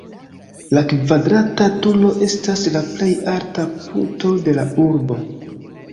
La kvadrata turo estas la plej alta punkto de la urbo.